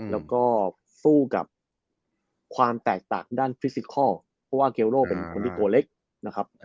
แล้วก็สู้กับความแตกต่างด้านฟิสิคอลเพราะว่าเกลโร่เป็นคนที่ตัวเล็กนะครับ